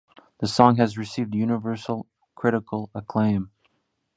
The song has received universal critical acclaim.